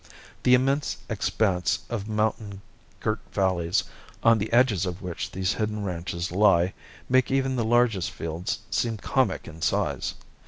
The immense expanse of mountain girt valleys, on the edges of which these hidden ranches lie, make even the largest fields seem comic in size.